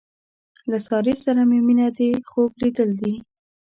له سارې سره مې مینه دې خوب لیدل دي.